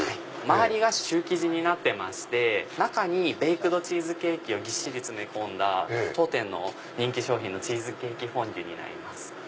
周りがシュー生地になってまして中にベイクドチーズケーキをぎっしり詰め込んだ当店の人気商品のチーズケーキフォンデュになります。